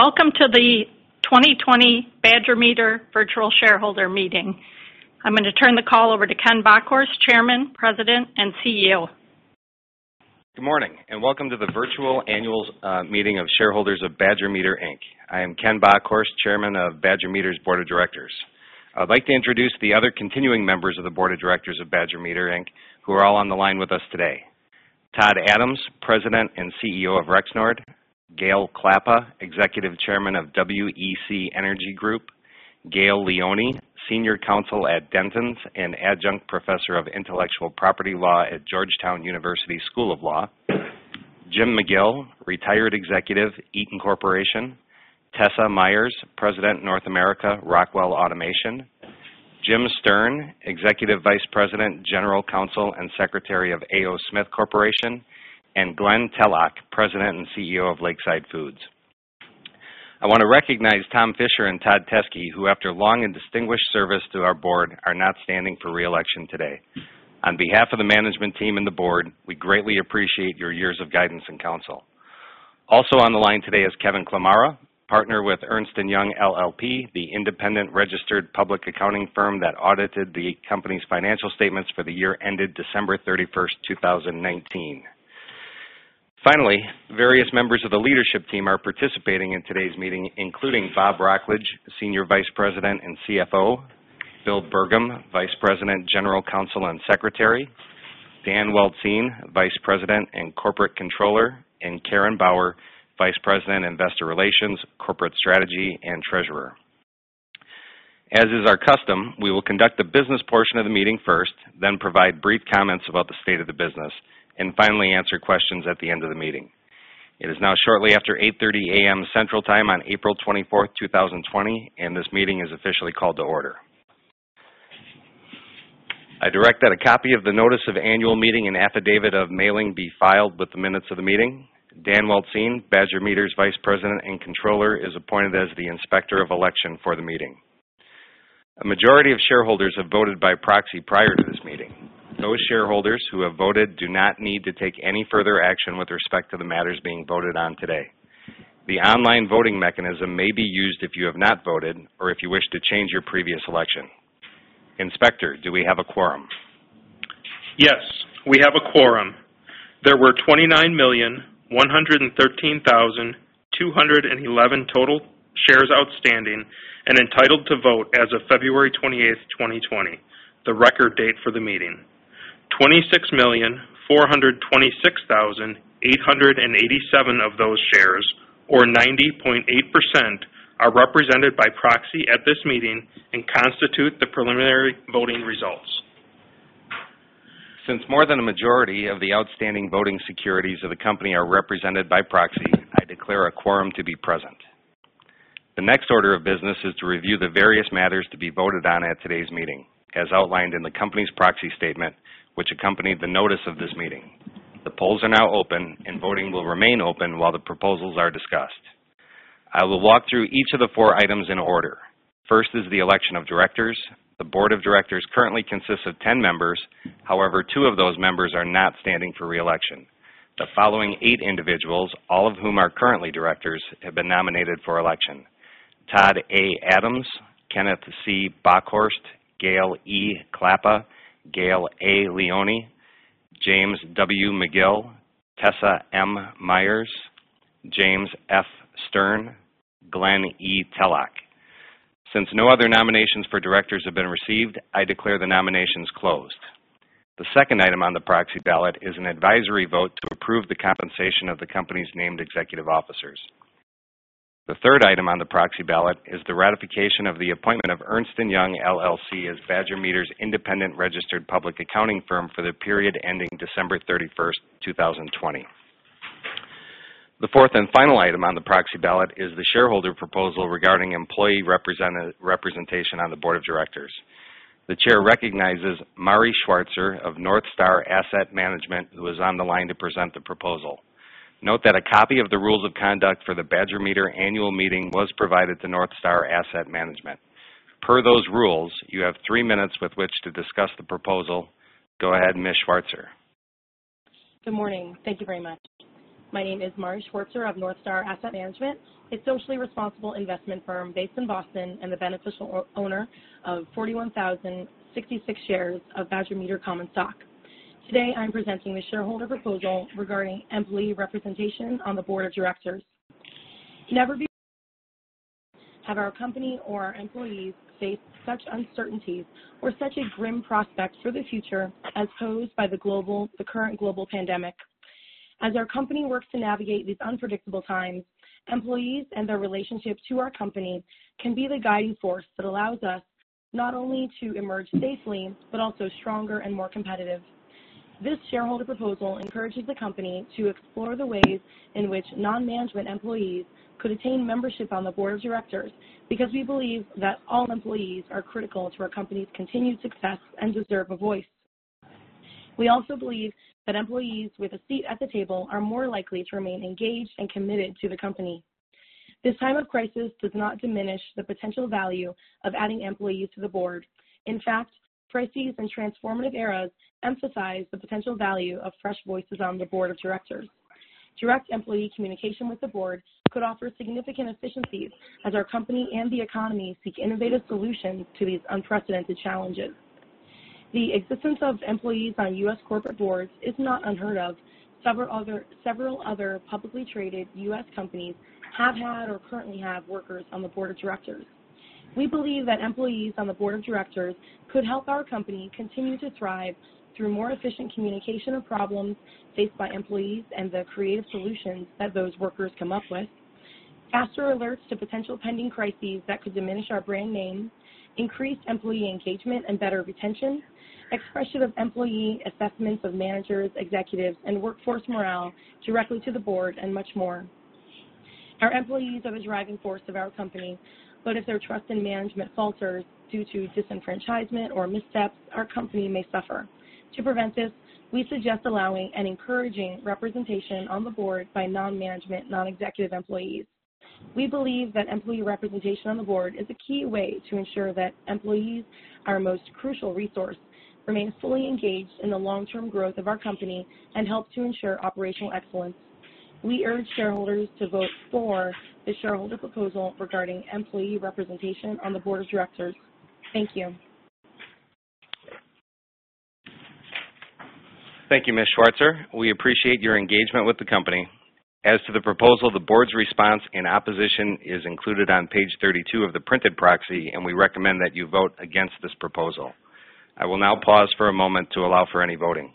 Welcome to the 2020 Badger Meter Virtual Shareholder Meeting. I'm going to turn the call over to Ken Bockhorst, Chairman, President, and CEO. Good morning, and welcome to the virtual annual meeting of shareholders of Badger Meter, Inc. I am Ken Bockhorst, Chairman of Badger Meter's Board of Directors. I would like to introduce the other continuing members of the Board of Directors of Badger Meter, Inc., who are all on the line with us today. Todd Adams, President and CEO of Rexnord, Gale Klappa, Executive Chairman of WEC Energy Group, Gail Lione, Senior Counsel at Dentons and Adjunct Professor of Intellectual Property Law at Georgetown University Law Center, Jim McGill, Retired Executive, Eaton Corporation, Tessa Myers, President, North America, Rockwell Automation, Jim Stern, Executive Vice President, General Counsel, and Secretary of A. O. Smith Corporation, and Glen Tellock, President and CEO of Lakeside Foods. I want to recognize Tom Fischer and Todd Teske, who after long and distinguished service to our board, are not standing for re-election today. On behalf of the management team and the board, we greatly appreciate your years of guidance and counsel. Also on the line today is Kevin Ciamarra, Partner with Ernst & Young LLP, the independent registered public accounting firm that audited the company's financial statements for the year ended December 31st, 2019. Finally, various members of the leadership team are participating in today's meeting, including Bob Wrocklage, Senior Vice President and CFO, Bill Bergum, Vice President, General Counsel, and Secretary, Dan Weltzien, Vice President and Corporate Controller, and Karen Bauer, Vice President, Investor Relations, Corporate Strategy, and Treasurer. As is our custom, we will conduct the business portion of the meeting first, then provide brief comments about the state of the business, and finally answer questions at the end of the meeting. It is now shortly after 8:30 A.M. Central Time on April 24th, 2020, and this meeting is officially called to order. I direct that a copy of the notice of annual meeting and affidavit of mailing be filed with the minutes of the meeting. Dan Weltzien, Badger Meter's Vice President and Controller, is appointed as the Inspector of Election for the meeting. A majority of shareholders have voted by proxy prior to this meeting. Those shareholders who have voted do not need to take any further action with respect to the matters being voted on today. The online voting mechanism may be used if you have not voted or if you wish to change your previous selection. Inspector, do we have a quorum? Yes, we have a quorum. There were 29,113,211 total shares outstanding and entitled to vote as of February 28th, 2020, the record date for the meeting. 26,426,887 of those shares, or 90.8%, are represented by proxy at this meeting and constitute the preliminary voting results. Since more than a majority of the outstanding voting securities of the company are represented by proxy, I declare a quorum to be present. The next order of business is to review the various matters to be voted on at today's meeting, as outlined in the company's proxy statement, which accompanied the notice of this meeting. The polls are now open, and voting will remain open while the proposals are discussed. I will walk through each of the four items in order. First is the election of directors. The board of directors currently consists of 10 members. However, two of those members are not standing for re-election. The following eight individuals, all of whom are currently directors, have been nominated for election: Todd A. Adams, Kenneth C. Bockhorst, Gale E. Klappa, Gail A. Lione, James W. McGill, Tessa M. Myers, James F. Stern, Glen E. Tellock. Since no other nominations for directors have been received, I declare the nominations closed. The second item on the proxy ballot is an advisory vote to approve the compensation of the company's named executive officers. The third item on the proxy ballot is the ratification of the appointment of Ernst & Young LLP as Badger Meter's independent registered public accounting firm for the period ending December 31st, 2020. The fourth and final item on the proxy ballot is the shareholder proposal regarding employee representation on the board of directors. The chair recognizes Mari Schwartzer of NorthStar Asset Management, who is on the line to present the proposal. Note that a copy of the rules of conduct for the Badger Meter annual meeting was provided to NorthStar Asset Management. Per those rules, you have three minutes with which to discuss the proposal. Go ahead, Ms. Schwartzer. Good morning. Thank you very much. My name is Mari Schwartzer of NorthStar Asset Management, a socially responsible investment firm based in Boston and the beneficial owner of 41,066 shares of Badger Meter common stock. Today, I'm presenting the shareholder proposal regarding employee representation on the board of directors. Never before have our company or our employees faced such uncertainties or such a grim prospect for the future as posed by the current global pandemic. As our company works to navigate these unpredictable times, employees and their relationship to our company can be the guiding force that allows us not only to emerge safely but also stronger and more competitive. This shareholder proposal encourages the company to explore the ways in which non-management employees could attain membership on the board of directors because we believe that all employees are critical to our company's continued success and deserve a voice. We also believe that employees with a seat at the table are more likely to remain engaged and committed to the company. This time of crisis does not diminish the potential value of adding employees to the board. In fact, crises and transformative eras emphasize the potential value of fresh voices on the board of directors. Direct employee communication with the board could offer significant efficiencies as our company and the economy seek innovative solutions to these unprecedented challenges. The existence of employees on U.S. corporate boards is not unheard of. Several other publicly traded U.S. companies have had or currently have workers on the board of directors. We believe that employees on the board of directors could help our company continue to thrive through more efficient communication of problems faced by employees and the creative solutions that those workers come up with, faster alerts to potential pending crises that could diminish our brand name, increased employee engagement and better retention, expression of employee assessments of managers, executives, and workforce morale directly to the board, and much more. Our employees are the driving force of our company, but if their trust in management falters due to disenfranchisement or missteps, our company may suffer. To prevent this, we suggest allowing and encouraging representation on the board by non-management, non-executive employees. We believe that employee representation on the board is a key way to ensure that employees, our most crucial resource, remain fully engaged in the long-term growth of our company and help to ensure operational excellence. We urge shareholders to vote for the shareholder proposal regarding employee representation on the board of directors. Thank you. Thank you, Ms. Schwartzer. We appreciate your engagement with the company. As to the proposal, the board's response in opposition is included on page 32 of the printed proxy, and we recommend that you vote against this proposal. I will now pause for a moment to allow for any voting.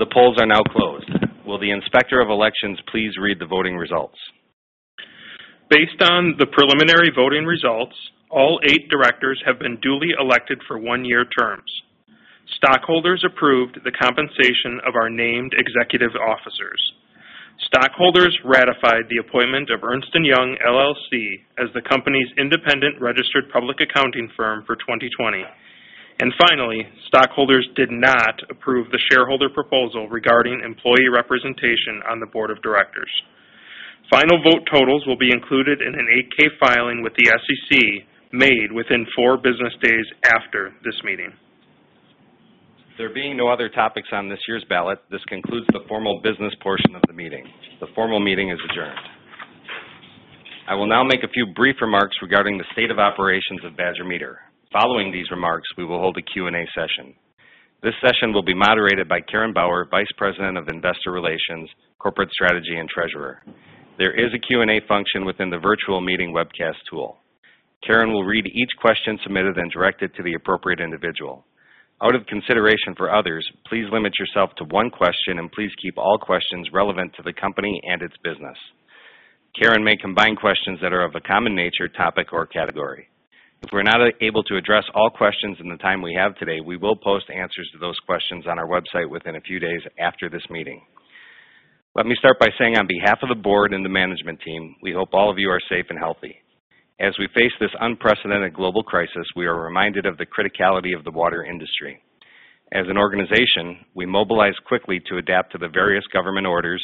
The polls are now closed. Will the Inspector of Elections please read the voting results? Based on the preliminary voting results, all eight directors have been duly elected for one-year terms. Stockholders approved the compensation of our named executive officers. Stockholders ratified the appointment of Ernst & Young LLP as the company's independent registered public accounting firm for 2020. Finally, stockholders did not approve the shareholder proposal regarding employee representation on the board of directors. Final vote totals will be included in an 8-K filing with the SEC made within four business days after this meeting. There being no other topics on this year's ballot, this concludes the formal business portion of the meeting. The formal meeting is adjourned. I will now make a few brief remarks regarding the state of operations of Badger Meter. Following these remarks, we will hold a Q&A session. This session will be moderated by Karen Bauer, Vice President of Investor Relations, Corporate Strategy, and Treasurer. There is a Q&A function within the virtual meeting webcast tool. Karen will read each question submitted and direct it to the appropriate individual. Out of consideration for others, please limit yourself to one question, and please keep all questions relevant to the company and its business. Karen may combine questions that are of a common nature, topic, or category. If we're not able to address all questions in the time we have today, we will post answers to those questions on our website within a few days after this meeting. Let me start by saying on behalf of the board and the management team, we hope all of you are safe and healthy. As we face this unprecedented global crisis, we are reminded of the criticality of the water industry. As an organization, we mobilized quickly to adapt to the various government orders,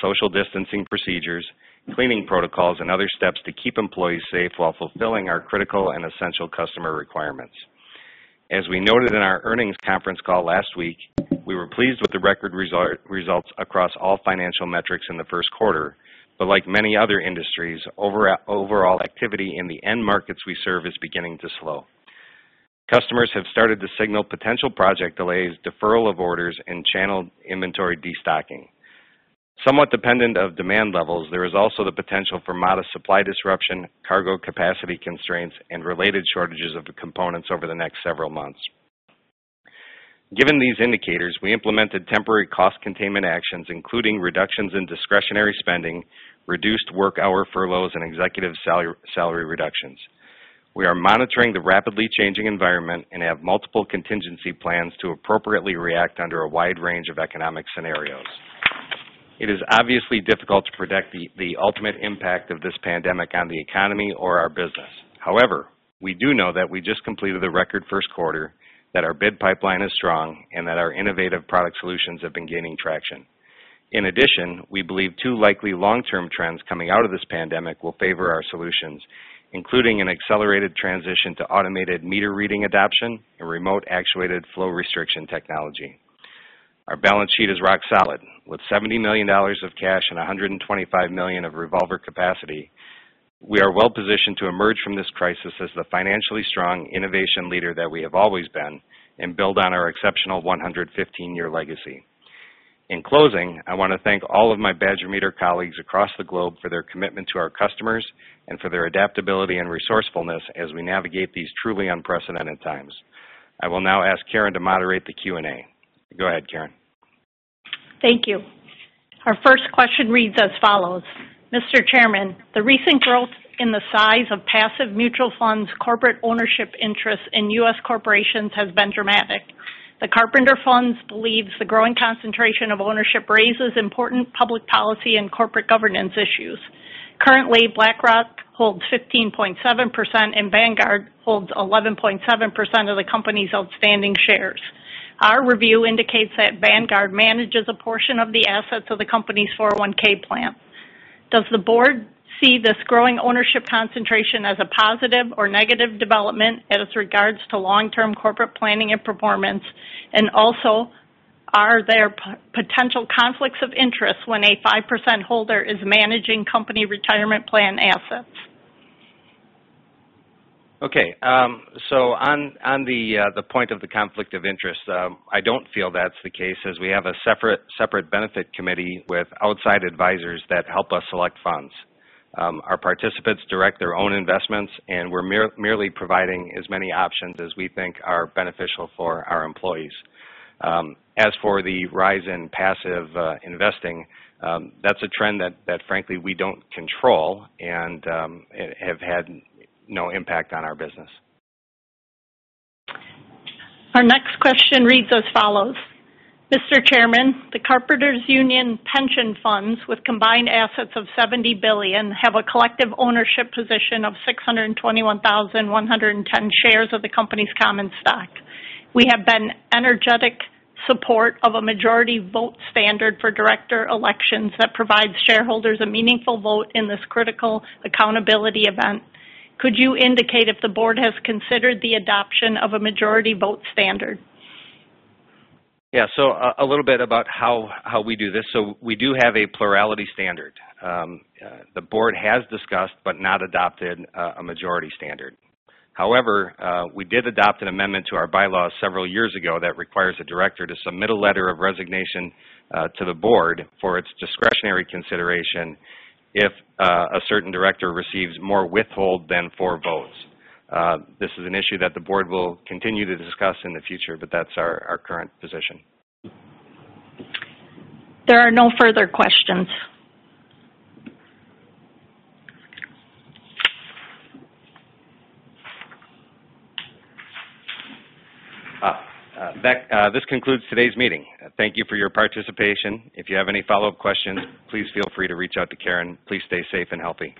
social distancing procedures, cleaning protocols, and other steps to keep employees safe while fulfilling our critical and essential customer requirements. As we noted in our earnings conference call last week, we were pleased with the record results across all financial metrics in the first quarter. Like many other industries, overall activity in the end markets we serve is beginning to slow. Customers have started to signal potential project delays, deferral of orders, and channel inventory destocking. Somewhat dependent of demand levels, there is also the potential for modest supply disruption, cargo capacity constraints, and related shortages of the components over the next several months. Given these indicators, we implemented temporary cost containment actions, including reductions in discretionary spending, reduced work hour furloughs, and executive salary reductions. We are monitoring the rapidly changing environment and have multiple contingency plans to appropriately react under a wide range of economic scenarios. It is obviously difficult to predict the ultimate impact of this pandemic on the economy or our business. However, we do know that we just completed a record first quarter, that our bid pipeline is strong, and that our innovative product solutions have been gaining traction. In addition, we believe two likely long-term trends coming out of this pandemic will favor our solutions, including an accelerated transition to automated meter reading adoption and remote actuated flow restriction technology. Our balance sheet is rock solid. With $70 million of cash and $125 million of revolver capacity, we are well-positioned to emerge from this crisis as the financially strong innovation leader that we have always been and build on our exceptional 115-year legacy. In closing, I want to thank all of my Badger Meter colleagues across the globe for their commitment to our customers and for their adaptability and resourcefulness as we navigate these truly unprecedented times. I will now ask Karen to moderate the Q&A. Go ahead, Karen. Thank you. Our first question reads as follows: Mr. Chairman, the recent growth in the size of passive mutual funds corporate ownership interests in U.S. corporations has been dramatic. The Carpenter Funds believes the growing concentration of ownership raises important public policy and corporate governance issues. Currently, BlackRock holds 15.7% and Vanguard holds 11.7% of the company's outstanding shares. Our review indicates that Vanguard manages a portion of the assets of the company's 401 plan. Does the board see this growing ownership concentration as a positive or negative development as it regards to long-term corporate planning and performance? Also, are there potential conflicts of interest when a 5% holder is managing company retirement plan assets? On the point of the conflict of interest, I don't feel that's the case, as we have a separate benefit committee with outside advisors that help us select funds. Our participants direct their own investments, and we're merely providing as many options as we think are beneficial for our employees. As for the rise in passive investing, that's a trend that frankly we don't control and have had no impact on our business. Our next question reads as follows: Mr. Chairman, the Carpenters Union pension funds, with combined assets of $70 billion, have a collective ownership position of 621,110 shares of the company's common stock. We have been energetic support of a majority vote standard for director elections that provides shareholders a meaningful vote in this critical accountability event. Could you indicate if the board has considered the adoption of a majority vote standard? Yeah. A little bit about how we do this. We do have a plurality standard. The board has discussed, but not adopted, a majority standard. However, we did adopt an amendment to our bylaws several years ago that requires a director to submit a letter of resignation to the board for its discretionary consideration if a certain director receives more withhold than for votes. This is an issue that the board will continue to discuss in the future, but that's our current position. There are no further questions. This concludes today's meeting. Thank you for your participation. If you have any follow-up questions, please feel free to reach out to Karen. Please stay safe and healthy.